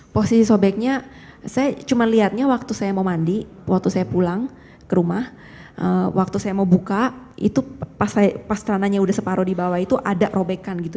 posisi sobeknya saya cuma lihatnya waktu saya mau mandi waktu saya pulang ke rumah waktu saya mau buka itu pas terananya udah separuh di bawah itu ada robekan gitu